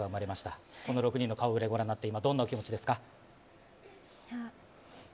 今、この６人の顔ぶれをご覧になって、今、どんなお気持ちですか。